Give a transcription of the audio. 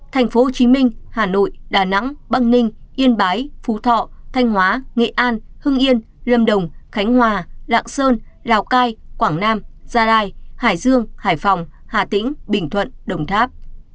thành phố hồ chí minh hà nội đà nẵng băng ninh yên bái phú thọ thanh hóa nghệ an hưng yên lâm đồng khánh hòa lạng sơn lào cai quảng nam gia rai hải dương hải phòng hà tĩnh bình thuận đồng tháp